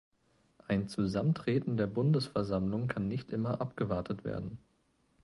Ein Zusammentreten der Bundesversammlung kann nicht immer abgewartet werden.